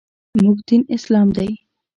موږ دین اسلام دی .